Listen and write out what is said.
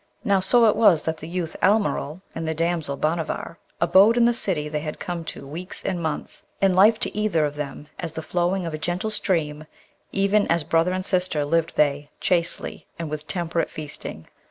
Now so it was that the youth Almeryl and the damsel Bhanavar abode in the city they had come to weeks and months, and life to either of them as the flowing of a gentle stream, even as brother and sister lived they, chastely, and with temperate feasting.